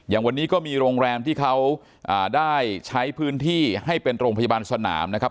อย่างวันนี้ก็มีโรงแรมที่เขาได้ใช้พื้นที่ให้เป็นโรงพยาบาลสนามนะครับ